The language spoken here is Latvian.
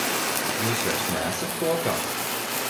Jūs vairs neesat kopā?